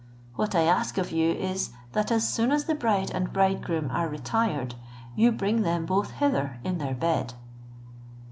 What I ask of you is, that as soon as the bride and bridegroom are retired, you bring them both hither in their bed."